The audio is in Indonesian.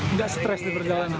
nggak stres di perjalanan